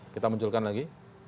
kita munculkan lagi